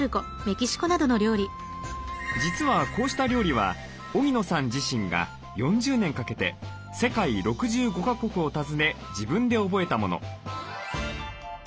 実はこうした料理は荻野さん自身が４０年かけて世界６５か国を訪ね自分で覚えたもの。